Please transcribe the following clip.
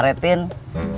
yang empat ribuan lima ribuan